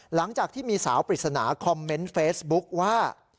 หลังจากที่มีสาวปริศนาคอมเมนต์เฟซบุ๊กว่า